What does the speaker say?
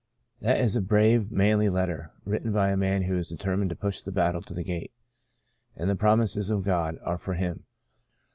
That is a brave, manly letter, written by a man who is determined to push the battle to the gate. And the promises of God are for him.